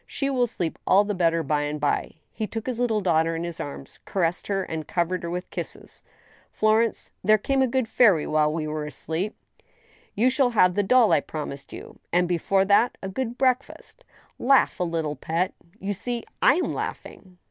" She will sleep all the better by and by." He took his little daughter in his arms, caressed her, and covered her with kisses. " Florence, there came a good fairy while we were asleep. You GOOD NEWS. 85 shall have the doll I promised you, ... and before that ... a good breakfast. Laugh a little, pet— you see I am laughing."